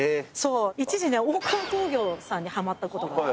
一時ね大川興業さんにはまったことがあって。